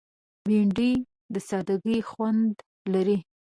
بېنډۍ د سادګۍ خوند لري